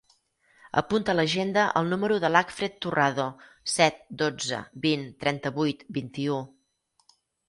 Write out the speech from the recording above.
Apunta a l'agenda el número de l'Acfred Turrado: set, dotze, vint, trenta-vuit, vint-i-u.